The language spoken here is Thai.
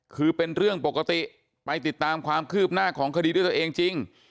คือเป็นเรื่องปกติไปติดตามความคืบหน้าของคดีด้วยตัวเองจริง